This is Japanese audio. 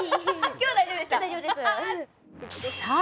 今日は大丈夫ですさあ